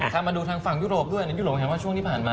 ถ้ามาดูทางฝั่งยุโรปด้วยในยุโรปเห็นว่าช่วงที่ผ่านมา